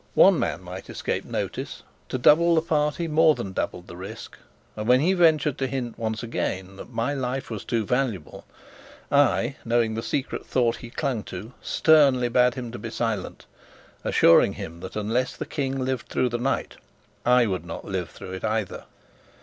One man might escape notice, to double the party more than doubled the risk; and when he ventured to hint once again that my life was too valuable, I, knowing the secret thought he clung to, sternly bade him be silent, assuring him that unless the King lived through the night, I would not live through it either.